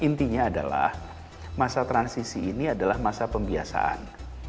intinya adalah masa transisi ini adalah masa pembiasaan